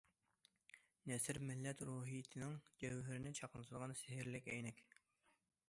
نەسر مىللەت روھىيىتىنىڭ جەۋھىرىنى چاقنىتىدىغان سېھىرلىك ئەينەك.